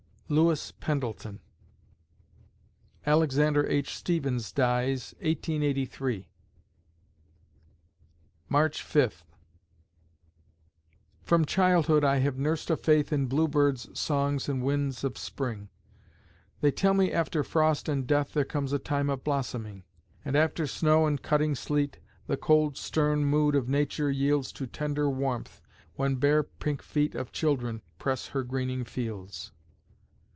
LOUIS PENDLETON Alexander H. Stephens dies, 1883 March Fifth From childhood I have nursed a faith In bluebirds' songs and winds of Spring; They tell me after frost and death There comes a time of blossoming; And after snow and cutting sleet, The cold, stern mood of Nature yields To tender warmth, when bare pink feet Of children press her greening fields.